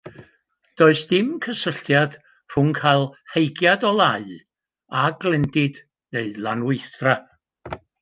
Does dim cysylltiad rhwng cael heigiad o lau a glendid neu lanweithdra.